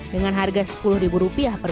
dengan harga sepuluh rupiah per